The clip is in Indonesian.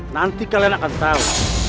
nanti kalian akan tahu